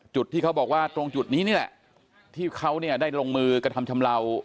ที่เขาบอกว่าตรงจุดนี้นี่แหละที่เขาเนี่ยได้ลงมือกระทำชำเลา